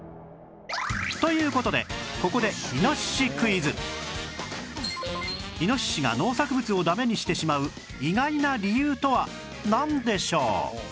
という事でここでイノシシが農作物をダメにしてしまう意外な理由とはなんでしょう？